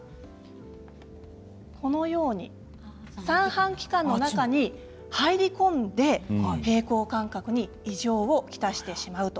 このように三半規管の中に入り込んで平衡感覚に異常を来してしまうということなんですね。